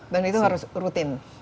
dan itu harus rutin